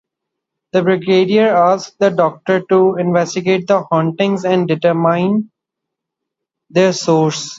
The Brigadier asks the Doctor to investigate the hauntings and determine their source.